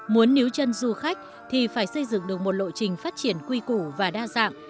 muốn níu chân du khách thì phải xây dựng được một lộ trình phát triển quy củ và đa dạng